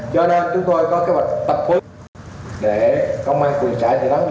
do đó chúng tôi có kế hoạch tập hướng để công an quỳnh xã